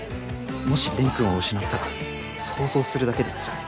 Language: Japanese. もし蓮くんを失ったら想像するだけでつらい。